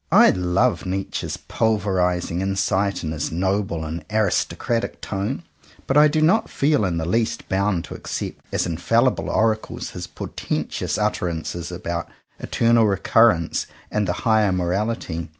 I love Nietzsche's pulverizing in sight and his noble and aristocratic tone; but I do not feel in the least bound to accept as infallible oracles his portentous utter ances about Eternal Recurrence and the Higher Morality.